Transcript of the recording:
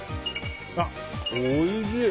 おいしい！